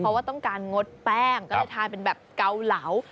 เพราะว่าต้องการงดแป้งก็เลยทานเป็นแบบเกาเหลา